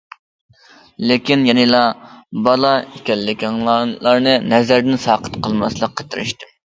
لېكىن، يەنىلا بالا ئىكەنلىكىڭلارنى نەزەردىن ساقىت قىلماسلىققا تىرىشتىم.